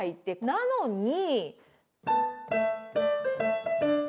なのに！